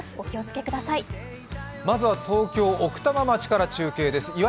先ずは東京・奥多摩町から中継です。